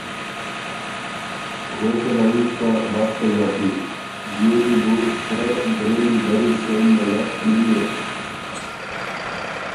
غوېکه لۀ یِن که ”بس کۀ ݫاتي، دیو دی بو سرۀ ګرېنی بري سېن نېله، نِم اِر“